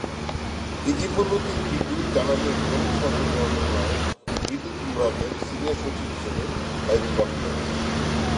ইতিপূর্বে তিনি বিদ্যুৎ, জ্বালানি ও খনিজ সম্পদ মন্ত্রণালয়ের বিদ্যুৎ বিভাগের সিনিয়র সচিব হিসেবে দায়িত্ব পালন করেন।